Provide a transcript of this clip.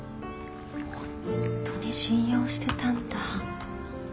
本当に信用してたんだ。